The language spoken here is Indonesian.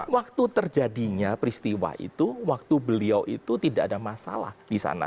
waktu terjadinya peristiwa itu waktu beliau itu tidak ada masalah di sana